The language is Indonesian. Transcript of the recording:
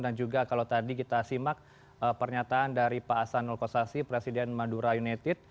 dan juga kalau tadi kita simak pernyataan dari pak asanul kossasi presiden madura united